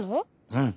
うん！